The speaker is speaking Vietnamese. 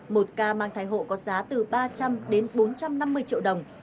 một ca mang thai hộ có giá từ ba trăm linh đến bốn trăm năm mươi triệu đồng